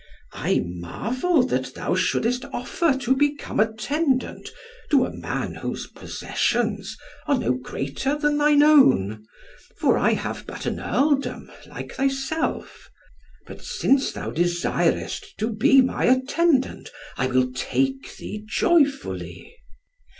"I marvel that thou shouldest offer to become attendant to a man whose possessions are no greater than thine own; for I have but an earldom like thyself. But since thou desirest to be my attendant, I will take thee joyfully."